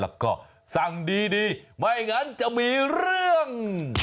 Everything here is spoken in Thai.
แล้วก็สั่งดีไม่งั้นจะมีเรื่อง